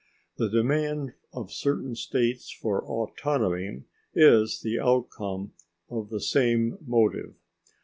The demand of certain states for autonomy is the outcome of the same motive.